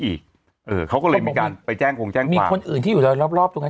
อีกเออเขาก็เลยมีการไปแจ้งคงแจ้งมีคนอื่นที่อยู่รอบรอบตรงนั้น